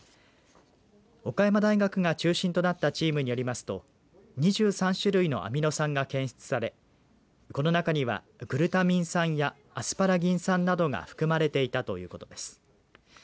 岡山大学が中心となったチームによりますと２３種類のアミノ酸が検出されこの中にはグルタミン酸やアスパラギン酸などが含まれていたということです。